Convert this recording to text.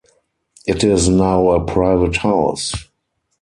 It is now a private house.